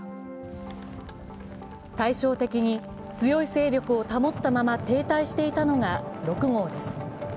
対照的に強い勢力を保ったまま停滞していたのが６号です。